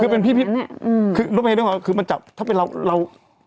คือเป็นพี่พี่อืมคือรู้ไหมด้วยหรอคือมันจับถ้าเป็นเราเรา